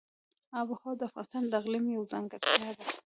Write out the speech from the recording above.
آب وهوا د افغانستان د اقلیم یوه ځانګړتیا ده.